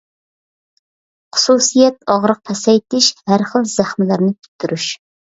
خۇسۇسىيەت ئاغرىق پەسەيتىش، ھەر خىل زەخمىلەرنى پۈتتۈرۈش.